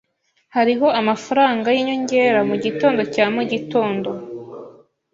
Hariho amafaranga yinyongera mugitondo cya mugitondo.